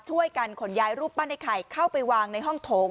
ช่วยกันขนย้ายรูปปั้นไอ้ไข่เข้าไปวางในห้องโถง